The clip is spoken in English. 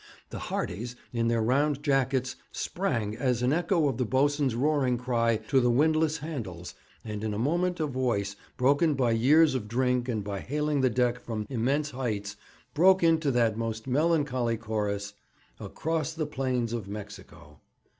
The hearties, in their round jackets, sprang, as an echo of the boatswain's roaring cry, to the windlass handles, and in a moment a voice, broken by years of drink and by hailing the deck from immense heights, broke into that most melancholy chorus, 'Across the Plains of Mexico.'